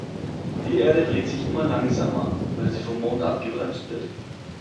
Die Erde dreht sich immer langsamer, weil sie vom Mond abgebremst wird.